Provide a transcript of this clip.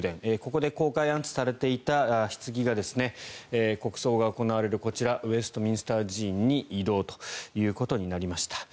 ここで公開安置されていたひつぎが国葬が行われる、こちらウェストミンスター寺院に移動ということになりました。